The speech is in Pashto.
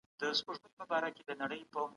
تدريس د ښوونکي دنده ده.